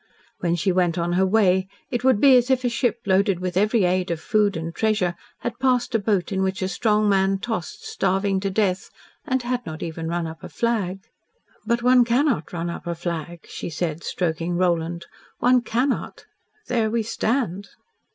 When she went on her way, it would be as if a ship loaded with every aid of food and treasure had passed a boat in which a strong man tossed, starving to death, and had not even run up a flag. "But one cannot run up a flag," she said, stroking Roland. "One cannot. There we stand."